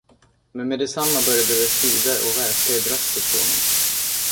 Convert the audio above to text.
Men med detsamma började det svida och värka i bröstet på honom.